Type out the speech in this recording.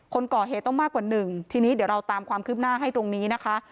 คนก่อเหตุต้องมากกว่าหนึ่งทีนี้เดี๋ยวเราตามความคืบหน้าให้ตรงนี้นะคะ